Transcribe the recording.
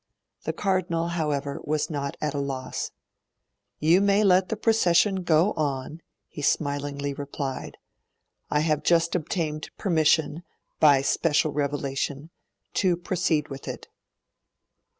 The Cardinal, however, was not at a loss. 'You may let the procession go on,' he smilingly replied. 'I have just obtained permission, by special revelation, to proceed with it.'